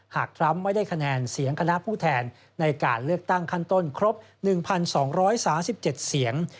ทรัมป์ไม่ได้คะแนนเสียงคณะผู้แทนในการเลือกตั้งขั้นต้นครบ๑๒๓๗เสียง